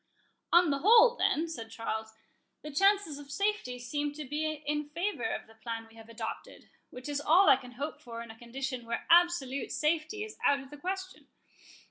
"On the whole, then," said Charles, "the chances of safety seem to be in favour of the plan we have adopted, which is all I can hope for in a condition where absolute safety is out of the question.